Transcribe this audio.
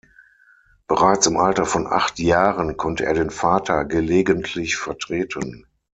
Bereits im Alter von acht Jahren konnte er den Vater gelegentlich vertreten.